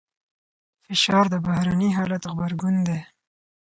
فشار د بهرني حالت غبرګون دی.